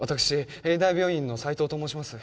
「永大病院」の斉藤と申します